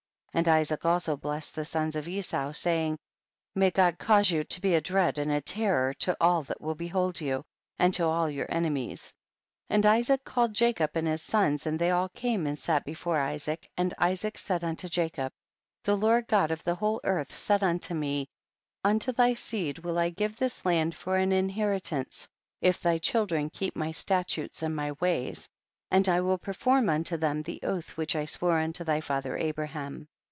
6. And Isaac also blessed the sons of Esau, saying, may God cause you to be a dread and a terror to all that will behold you, and to all your ene mies. 7. And Isaac called Jacob and his sons, and they all came and sat be fore Isaac, and Isaac said unto Jacob, the Lord God of the whole earth said unto me, unto thy seed will I give this land for an inheritance if thy children keep my statutes and my ways, and I will perform unto them the oath which I swore unto thy fa ther Abraham.